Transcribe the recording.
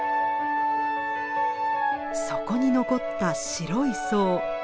底に残った白い層。